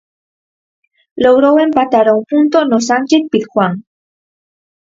Logrou empatar a un punto no Sánchez-Pizjuán.